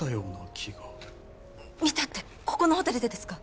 見たってここのホテルでですか？